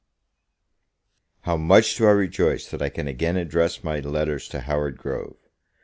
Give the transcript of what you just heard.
HOW much do I rejoice that I can again address my letters to Howard Grove!